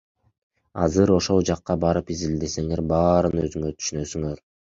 Азыр ошол жакка барып изилдесеңер, баарын өзүңөр түшүнөсүңөр.